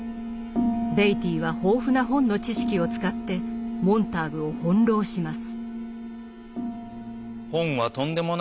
ベイティーは豊富な本の知識を使ってモンターグを翻弄します。